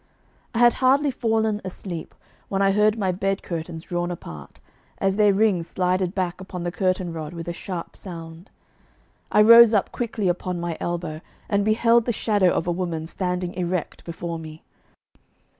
I had hardly fallen asleep when I heard my bed curtains drawn apart, as their rings slided back upon the curtain rod with a sharp sound. I rose up quickly upon my elbow, and beheld the shadow of a woman standing erect before me.